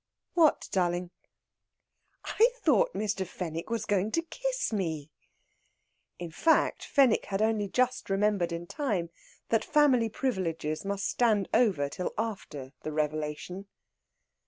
"What, darling?" "I thought Mr. Fenwick was going to kiss me!" In fact, Fenwick had only just remembered in time that family privileges must stand over till after the revelation.